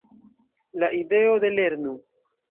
La ideo de "lernu!